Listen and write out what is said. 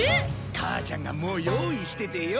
母ちゃんがもう用意しててよ。